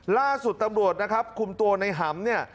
ล่าสุดอำรวจนะครับกลัวในหำ